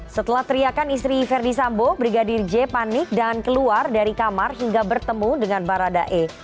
setelah teriakan istri verdi sambo brigadir j panik dan keluar dari kamar hingga bertemu dengan baradae